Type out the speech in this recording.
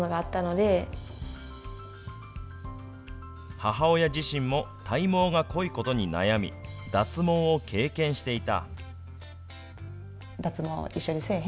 母親自身も、体毛が濃いことに悩み、脱毛を経験していた。